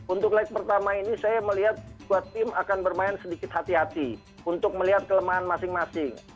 untuk leg pertama ini saya melihat dua tim akan bermain sedikit hati hati untuk melihat kelemahan masing masing